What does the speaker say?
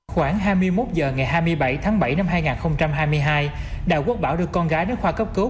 khoảng hai mươi một h ngày hai mươi bảy tháng bảy năm hai nghìn hai mươi hai đào quốc bảo được con gái đến khoa cấp cứu